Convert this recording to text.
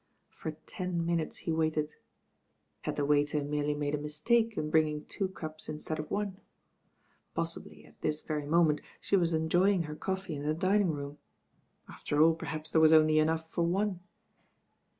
For ten minutes he waited. Had the waiter merely made a mistake in bnngmg two cups instead of one ? Possibly at this very moment she was enjoying her coffee in the din ing room. After all perhaps there was only enough for one.